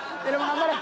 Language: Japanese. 頑張れ。